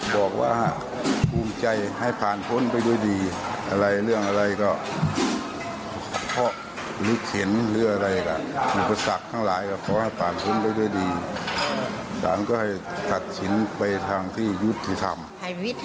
ใดน้ำคอบของลูกการเสียชีวิตให้ลูกสภัยเสียชีวิต